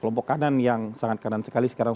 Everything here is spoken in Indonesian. kelompok kanan yang sangat kanan sekali sekarang